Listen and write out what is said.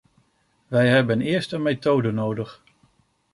We hebben eerst een methode nodig.